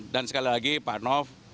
dan sekali lagi pak nof